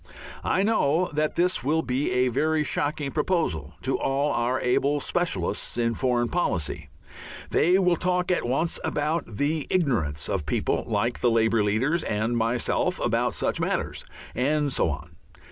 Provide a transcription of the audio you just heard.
I know that this will be a very shocking proposal to all our able specialists in foreign policy. They will talk at once about the "ignorance" of people like the Labour leaders and myself about such matters, and so on.